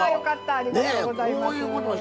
ありがとうございます。